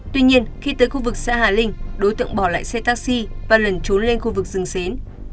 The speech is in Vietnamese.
tuy nhiên khi tới khu vực xã hà linh đối tượng bỏ lại xe taxi và lần trốn lên khu vực rừng xến